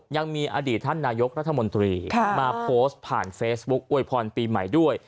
ยังมีอดีตท่านนายกรัฐมนตรีมาโพสต์ผ่านเฟซบุ๊คอวยพรปีใหม่ด้วย